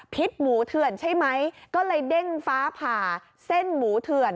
หมูเถื่อนใช่ไหมก็เลยเด้งฟ้าผ่าเส้นหมูเถื่อน